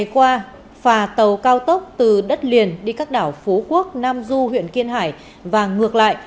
qua phà tàu cao tốc từ đất liền đi các đảo phú quốc nam du huyện kiên hải và ngược lại